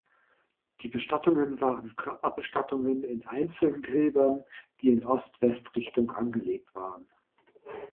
Die Bestattungen waren Körperbestattungen in Einzelgräbern, die in Ost-West-Richtung angelegt waren.